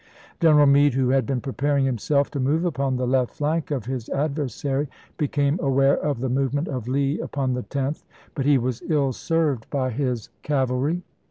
General Meade, who had been preparing himself to move upon the left flank of his adversary, became aware of the movement of Lee upon the 10th ; but he was ill served by his THE LINE OF THE EAPIDAN 239 cavalry.